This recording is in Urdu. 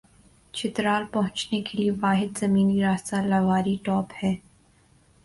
چترال پہنچنے کے لئے واحد زمینی راستہ لواری ٹاپ ہے ۔